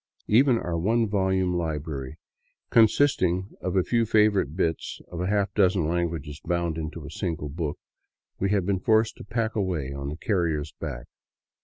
Even our " One Volume Library,^' consisting of a few favorite bits in a half dozen languages bound into a single book, we had been forced to pack away on the carrier's back.